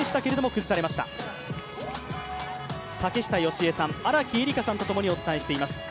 竹下佳江さん、荒木絵里香さんと共にお送りしています。